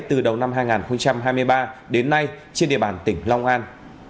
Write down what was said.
từ đầu năm hai nghìn hai mươi ba đến nay trên địa bàn tỉnh long an